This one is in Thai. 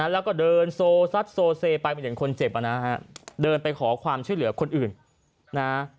แล้วก็เดินโซซัดโซเซไปเหมือนคนเจ็บนะฮะเดินไปขอความช่วยเหลือคนอื่นนะฮะ